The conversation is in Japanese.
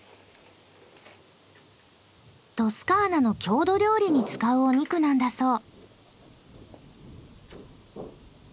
トスカーナの郷土料理に使うお肉なんだそう。